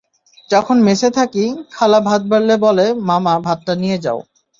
যখন মেসে থাকি, খালা ভাত বাড়লে বলে, মামা, ভাতটা নিয়ে যাও।